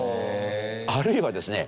あるいはですね